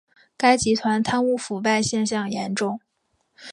该集团贪污腐败现象严重。